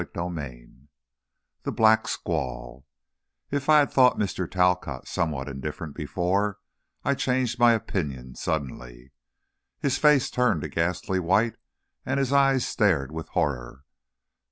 CHAPTER IV The Black Squall If I had thought Mr. Talcott somewhat indifferent before, I changed my opinion suddenly. His face turned a ghastly white and his eyes stared with horror.